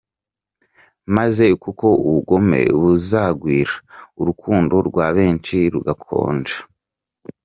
Maze kuko ubugome buzagwira, urukundo rwa benshi ruzakonja.